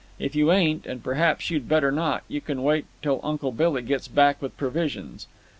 If you ain't and perhaps you'd better not you can wait till Uncle Billy gets back with provisions."